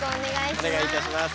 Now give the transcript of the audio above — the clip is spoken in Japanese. お願いいたします。